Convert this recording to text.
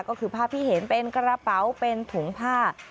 ก็คือภาพที่เห็นเป็นกระเป๋าเป็นถุงผ้า